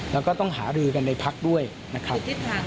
แล้วก็ต้องหารือกันในพักด้วยนะครับ